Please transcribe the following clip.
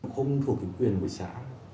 không thuộc về quyền của xã